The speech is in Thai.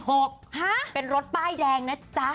เป็นรถป้ายแดงนะจ๊ะ